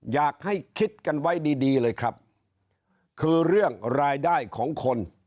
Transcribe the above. อยากให้คิดกันไว้ดีดีเลยครับคือเรื่องรายได้ของคน